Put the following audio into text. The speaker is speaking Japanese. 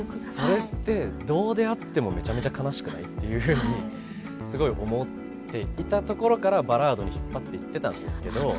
それってどうであってもめちゃめちゃ悲しくない？っていうふうにすごい思っていたところからバラードに引っ張っていってたんですけど。